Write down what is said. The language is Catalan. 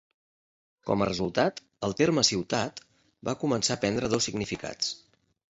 Com a resultat, el terme "ciutat" va començar a prendre dos significats.